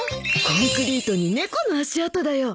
コンクリートに猫の足跡だよ。